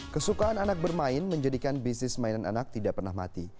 kesukaan anak bermain menjadikan bisnis mainan anak tidak pernah mati